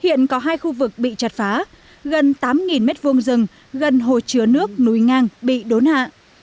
hiện có hai khu vực bị chặt phá gần tám m hai rừng gần hồ chứa nước núi ngang bị đốn hạ